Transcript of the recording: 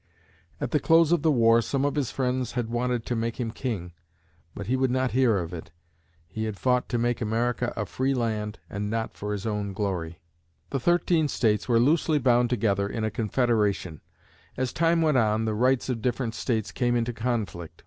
At the close of the war, some of his friends had wanted to make him king, but he would not hear of it. He had fought to make America a free land, and not for his own glory. [Illustration: Washington spent five happy years at Mount Vernon] The thirteen States were loosely bound together in a Confederation. As time went on, the rights of different States came into conflict.